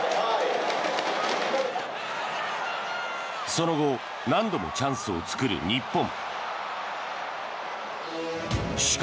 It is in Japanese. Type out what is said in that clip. その後、何度もチャンスを作る日本。